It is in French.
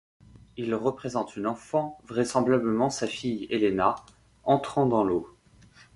Il représente une enfant, vraisemblablement sa fille Elena, entrant dans l'eau.